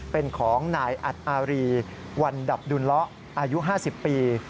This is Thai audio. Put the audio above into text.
เป็นของนายอัดอารีวันดับดุลละอายุ๕๐ปี